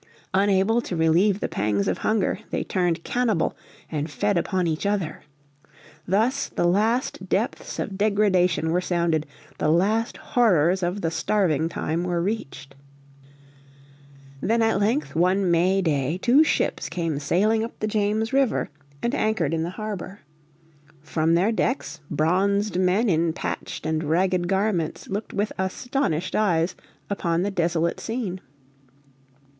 Unable to relieve the pangs of hunger, they turned cannibal and fed upon each other. Thus the last depths of degradation were sounded, the last horrors of the Starving Time were reached. Then at length one May day two ships came sailing up the James River and anchored in the harbour. From their decks bronzed men in patched and ragged garments looked with astonished eyes upon the desolate scene.